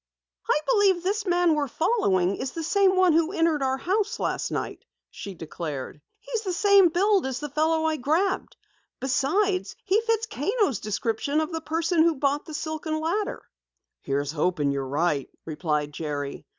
"I believe this man we're following is the same one who entered our house last night," she declared. "He's the same build as the fellow I grabbed. Besides, he fits Kano's description of the person who bought the silken ladder." "Here's hoping you're right," replied Jerry.